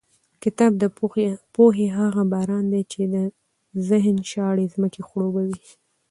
کتاب د پوهې هغه باران دی چې د ذهن شاړې ځمکې خړوبوي.